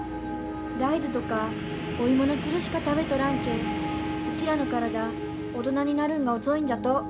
大豆とかオイモのつるしか食べとらんけえうちらの体大人になるんが遅いんじゃと。